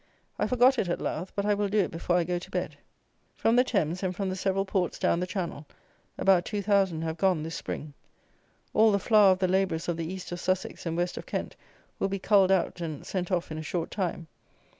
I forgot it at Louth; but I will do it before I go to bed. From the Thames, and from the several ports down the Channel, about two thousand have gone this spring. All the flower of the labourers of the east of Sussex and west of Kent will be culled out and sent off in a short time.